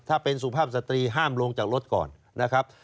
ถ้าเป็นสุภาพสตรีห้ามลงจากรถก่อนนะครับ